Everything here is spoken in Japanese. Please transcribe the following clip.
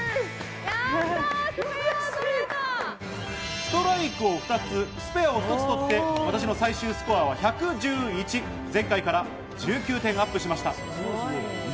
ストライクを２つ、スペアを１つ取って、私の最終スコアは１１１、前回からは１９点アップしました。